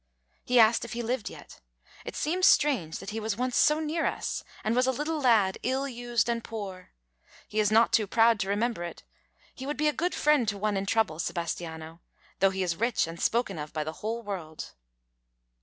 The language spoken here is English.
He asked if he lived yet. It seems strange that he was once so near us, and was a little lad, ill used and poor. He is not too proud to remember it. He would be a good friend to one in trouble Sebastiano though he is rich and spoken of by the whole world."